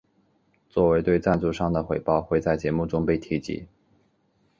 作为对赞助商的回报会在节目中被提及。